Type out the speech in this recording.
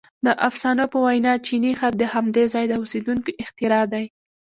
• د افسانو په وینا چیني خط د همدې ځای د اوسېدونکو اختراع دی.